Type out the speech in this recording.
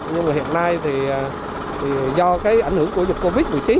nhưng mà hiện nay thì do cái ảnh hưởng của dịch covid một mươi chín